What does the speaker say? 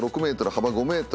幅５ｍ